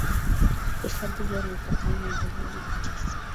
Hifadhi hiyo imepakana na vijiji tisa